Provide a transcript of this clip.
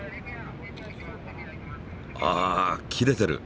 あ切れてる。